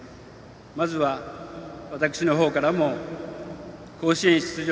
まずは、私の方からも甲子園出場